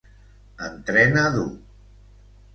Entrena dur.